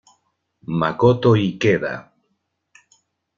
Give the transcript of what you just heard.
Makoto Ikeda